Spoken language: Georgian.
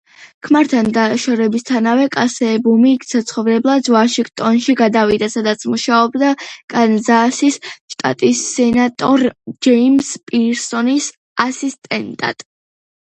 ქმართან დაშორებისთანავე, კასებუმი საცხოვრებლად ვაშინგტონში გადავიდა, სადაც მუშაობდა კანზასის შტატის სენატორ ჯეიმს პირსონის ასისტენტად.